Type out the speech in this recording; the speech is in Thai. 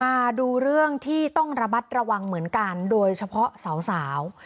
มาดูเรื่องที่ต้องระมัดระวังเหมือนกันโดยเฉพาะสาว